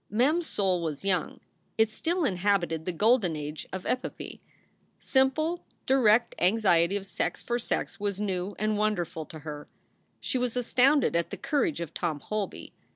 Mem s soul was young; it still inhabited the golden age of epopee. Simple, direct anxiety of sex for sex was new and wonderful to her. She was astounded at the courage of Tom Holby.